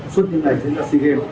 suốt những ngày dưới sea games